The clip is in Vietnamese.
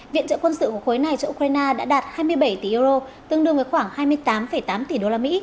viện trợ quân sự của khối này cho ukraine đã đạt hai mươi bảy tỷ euro tương đương với khoảng hai mươi tám tám tỷ usd